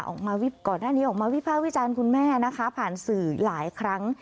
ออกมาวิภาควิจารณ์คุณแม่นะคะผ่านสื่อหลายครั้ง